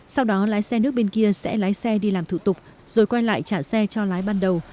sau đó lái xe nước bên kia sẽ lái xe đi làm thủ tục rồi quay lại trả xe cho lái ban đầu